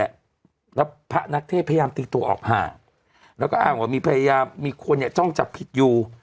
แล้วพระนักเทพพยายามตีตัวออกห่างแล้วก็อ้างว่ามีพยายามมีคนเนี่ยจ้องจับผิดอยู่